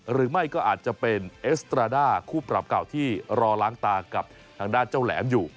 หรือไม่ก็อาจจะเป็นเอสตราด้าคู่ปรับเก่าที่รอล้างตากับทางด้านเจ้าแหลมอยู่